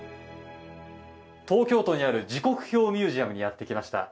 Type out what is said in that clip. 東京都にある時刻表ミュージアムにやってきました。